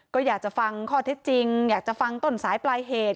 ก็อยากจะฟังข้อเท็จจริงอยากจะฟังต้นสายปลายเหตุ